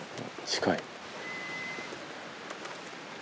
近い。